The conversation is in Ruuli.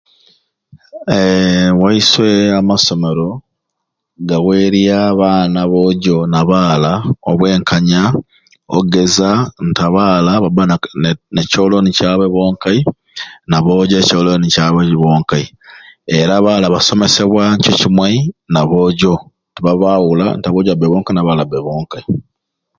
Eeeeh ewaiswe amasomero gawerya abaana ba bwojo n'abaala obwenkanya okugeza nti abaala baba ne ne kyoloni kyabwe bonkai na bwojo ekyoloni kyabwe bonkai era abaala basomesebwa nikyo kimwei n'abwojo tebabawula abwojo babe bonkai n'abaala bonkai